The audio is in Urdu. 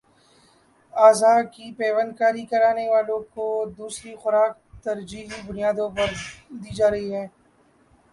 اعضا کی پیوند کاری کرانے والوں کو دوسری خوراک ترجیحی بنیادوں پر دی جارہی ہے